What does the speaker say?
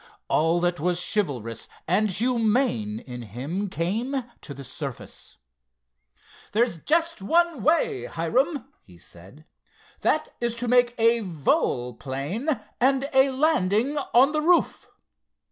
All that was chivalrous and humane in him came to the surface. "There's just one way, Hiram," he said. "That is to make a volplane and a landing on the roof."